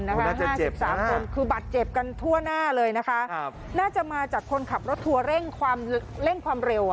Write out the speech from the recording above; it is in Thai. น่าจะเจ็บสามคนคือบัตรเจ็บกันทั่วหน้าเลยนะคะน่าจะมาจากคนขับรถทัวร์เร่งความเร็ว